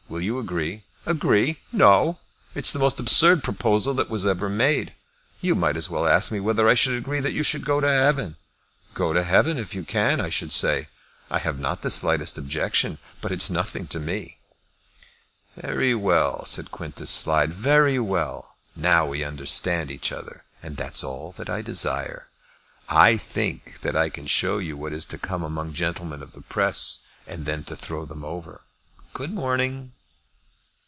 Will you agree?" "Agree! No! It's the most absurd proposal that was ever made. You might as well ask me whether I would agree that you should go to heaven. Go to heaven if you can, I should say. I have not the slightest objection. But it's nothing to me." "Very well," said Quintus Slide. "Very well! Now we understand each other, and that's all that I desire. I think that I can show you what it is to come among gentlemen of the press, and then to throw them over. Good morning."